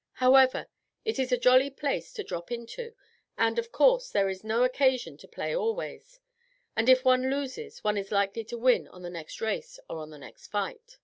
However, it is a jolly place to drop into, and, of course there is no occasion to play always, and if one loses one is likely to win on the next race or on the next fight.'"